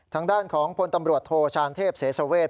ทางด้านของพลตำรวจโทชานเทพเสสเวท